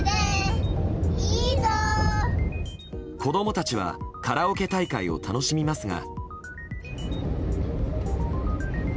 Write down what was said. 子供たちはカラオケ大会を楽しみますが。